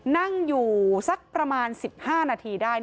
นั่งอยู่สักประมาณ๑๕นาทีได้